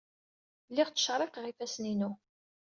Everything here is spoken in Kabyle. Lliɣ ttcerriqeɣ ifassen-inu.